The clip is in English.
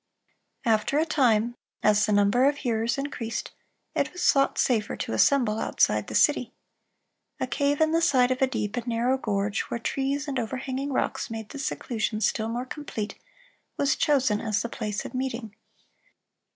After a time, as the number of hearers increased, it was thought safer to assemble outside the city. A cave in the side of a deep and narrow gorge, where trees and overhanging rocks made the seclusion still more complete, was chosen as the place of meeting.